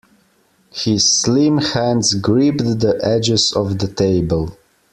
His slim hands gripped the edges of the table.